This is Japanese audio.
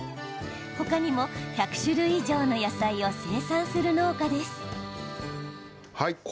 他にも１００種類以上の野菜を生産する農家です。